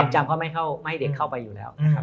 จำเขาไม่ให้เด็กเข้าไปอยู่แล้ว